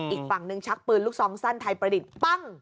อีกฝั่งนึงชักปืนลูกซองสั้นไทยประดิษฐ์ปั้ง